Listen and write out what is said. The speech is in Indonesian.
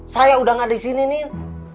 saya udah nggak di sini nin